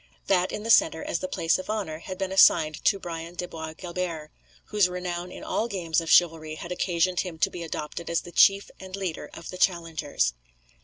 That in the centre, as the place of honour, had been assigned to Brian de Bois Guilbert, whose renown in all games of chivalry had occasioned him to be adopted as the chief and leader of the challengers.